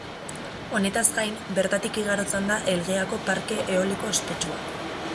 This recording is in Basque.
Honetaz gain, bertatik igarotzen da Elgeako parke eoliko ospetsua.